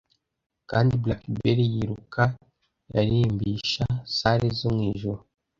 Kandi blackberry yiruka yarimbisha salle zo mwijuru,